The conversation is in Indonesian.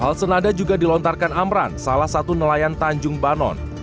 hal senada juga dilontarkan amran salah satu nelayan tanjung banon